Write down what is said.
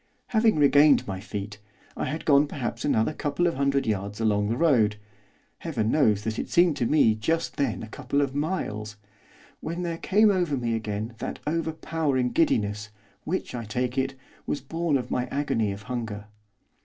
Having regained my feet, I had gone perhaps another couple of hundred yards along the road Heaven knows that it seemed to me just then a couple of miles! when there came over me again that overpowering giddiness which, I take it, was born of my agony of hunger.